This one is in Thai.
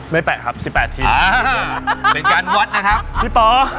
ไม่แปดครับสิบแปดทีมเป็นการวัดนะครับพี่ป๋อง